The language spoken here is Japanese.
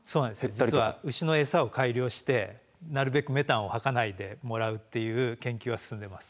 実は牛の餌を改良してなるべくメタンを吐かないでもらうっていう研究は進んでます。